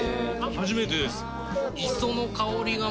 初めてです。